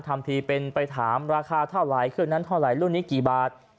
ทำทีเป็นไปถามราคาเท่าไหร่เครื่องนั้นเท่าไหรเครื่องนี้กี่บาท